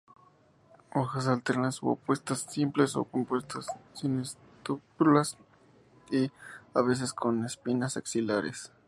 Hojas alternas u opuestas, simples o compuestas, sin estípulas, a veces con espinas axilares.